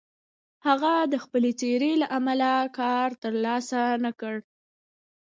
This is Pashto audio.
هغه د خپلې څېرې له امله کار تر لاسه نه کړ.